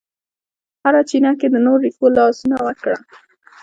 هره چینه کې یې د نور رېښو لاسونه وکړه